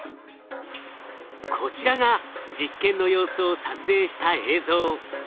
こちらが実験の様子を撮影した映像。